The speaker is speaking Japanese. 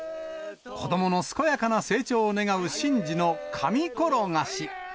子どもの健やかな成長を願う神事の神ころがし。